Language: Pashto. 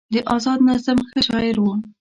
د ازاد نظم ښه شاعر و